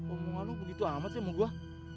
omongan lu begitu amat sih sama gue